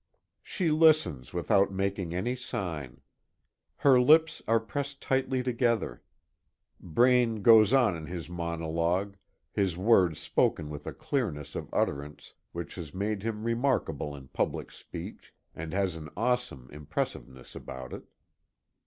She listens without making any sign. Her lips are pressed tightly together. Braine goes on in his monologue his words spoken with a clearness of utterance which has made him remarkable in public speech, and has an awesome impressiveness about it.